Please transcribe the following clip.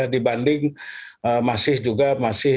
dibanding masih juga masih